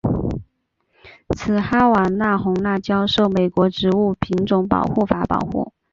此哈瓦那红辣椒受美国植物品种保护法保护。